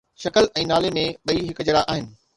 شڪل ۽ نالي ۾ ٻئي هڪجهڙا آهن